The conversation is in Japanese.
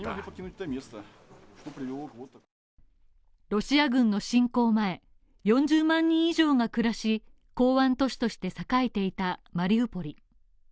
ロシア軍の侵攻前、４０万人以上が暮らし港湾都市として栄えていたマリウポリ。